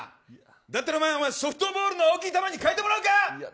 だったらソフトボールの大きい球に変えてもらうか。